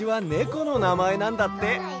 このなまえなんだって。